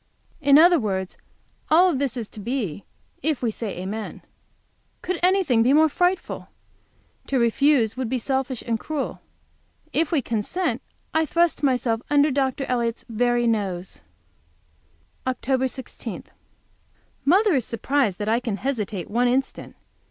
In other words, all this is to be if we say amen. Could anything be more frightful? To refuse would be selfish and cruel. If we consent I thrust myself under Dr. Elliott's very nose. OCT. 16. Mother is surprised that I can hesitate one instant.